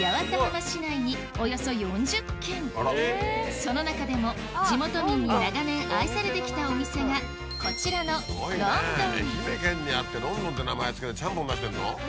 その中でも地元民に長年愛されてきたお店がこちらの愛媛県にあってロンドンって名前付けてちゃんぽん出してんの？